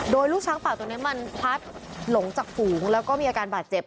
โดยลูกช้างป่าตัวนี้มันพลัดหลงจากฝูงแล้วก็มีอาการบาดเจ็บ